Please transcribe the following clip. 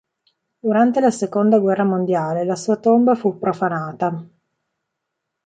Durante la seconda guerra mondiale la sua tomba fu profanata.